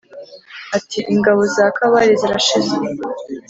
Ati: Ingabo za Kabare zirashize.